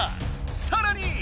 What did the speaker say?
さらに！